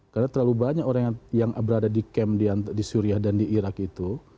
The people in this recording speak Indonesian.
karena terlalu banyak orang yang berada di kem di syria dan di iraq itu